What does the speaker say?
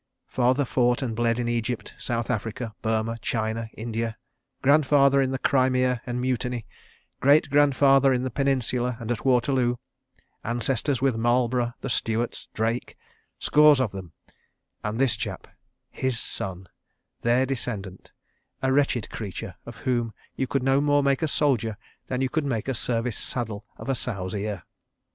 Father fought and bled in Egypt, South Africa, Burma, China, India; grandfather in the Crimea and Mutiny, great grandfather in the Peninsula and at Waterloo, ancestors with Marlborough, the Stuarts, Drake—scores of them: and this chap, his son, their descendant, a wretched creature of whom you could no more make a soldier than you could make a service saddle of a sow's ear!